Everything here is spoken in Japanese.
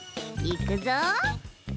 いくぞ！